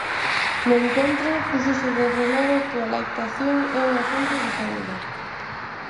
No encontro púxose de relevo que a lactación é unha fonte de saúde.